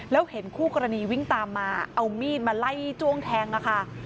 แล้วเห็นคู่กรณีวิ่งตามมาเอามีดมาไล่จ้วงแทงค่ะ